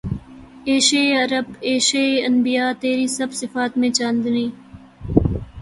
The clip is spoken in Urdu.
اے شہ عرب شہ انبیاء تیری سب صفات میں چاندنی